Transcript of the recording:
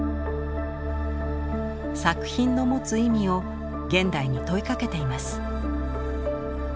作品の持つ意味を現代に問いかけています。